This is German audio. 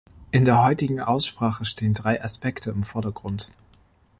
In der heutigen Aussprache stehen drei Aspekte im Vordergrund.